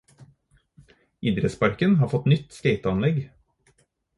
Idrettsparken har fått nytt skateanlegg